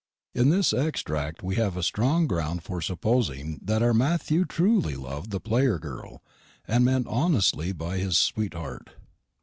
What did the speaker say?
In this extract we have strong ground for supposing that our Matthew truly loved the player girl, and meant honestly by his sweetheart.